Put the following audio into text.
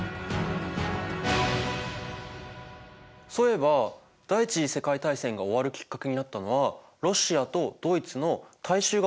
そういえば第一次世界大戦が終わるきっかけになったのはロシアとドイツの大衆が起こした革命だったよね。